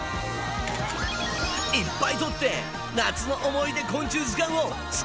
いっぱい撮って夏の思い出昆虫図鑑を作ろうぜ！